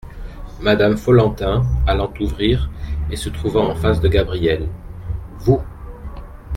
Madame Follentin allant ouvrir et se trouvant en face de Gabriel. — Vous !